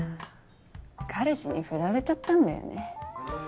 彼氏に振られちゃったんだよね。